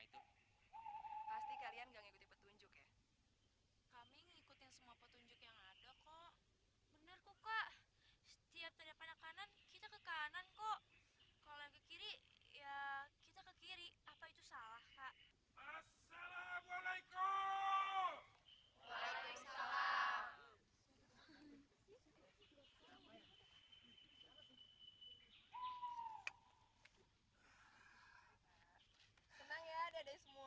ini namanya pak jarwo